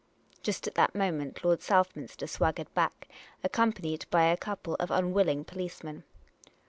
Just at that moment, Lord Southminster swaggered back, accompanied by a couple of unwilling policemen.